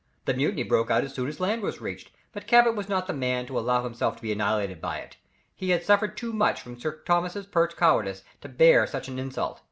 The mutiny broke out as soon as land was reached, but Cabot was not the man to allow himself to be annihilated by it; he had suffered too much from Sir Thomas Pert's cowardice to bear such an insult.